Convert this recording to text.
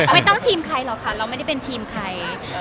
ไม่ต้องทีมใครหรอกค่ะเราไม่ได้เป็นทีมใคร